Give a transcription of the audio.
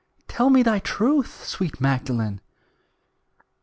Tell me thy truth, sweet Magdalen!"